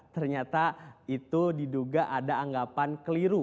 ternyata itu diduga ada anggapan keliru